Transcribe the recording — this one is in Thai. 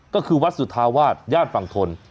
ก็คือวัดสุดท้าวาทย่านฝั่งฑล